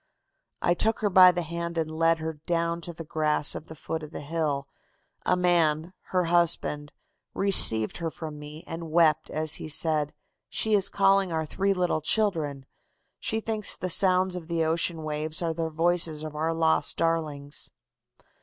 "I took her by the hand and led her down to the grass at the foot of the hill. A man her husband received her from me and wept as he said: 'She is calling our three little children. She thinks the sounds of the ocean waves are the voices of our lost darlings.